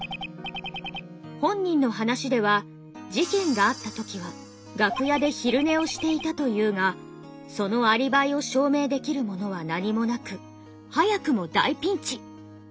本人の話では事件があった時は楽屋でヒルネをしていたというがそのアリバイを証明できるものは何もなく早くも大ピンチ！